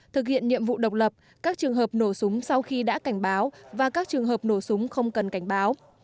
thực hiện nhiệm vụ độc lập các trường hợp nổ súng sau khi đã cảnh báo và các trường hợp nổ súng không cần cảnh báo